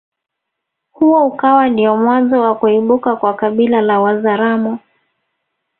Huo ukawa ndiyo mwanzo wa kuibuka kwa kabila la Wazaramo